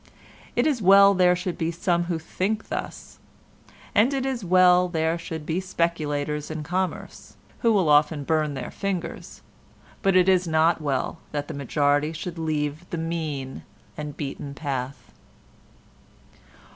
It is well there should be some who think thus, as it is well there should be speculators in commerce, who will often burn their fingers—but it is not well that the majority should leave the "mean" and beaten path.